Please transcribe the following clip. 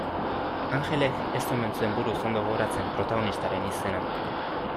Anjelek ez omen zuen buruz ondo gogoratzen protagonistaren izena.